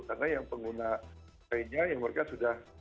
karena yang pengguna lainnya yang mereka sudah